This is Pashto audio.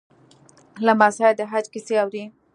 لمسی د حج کیسې اوري.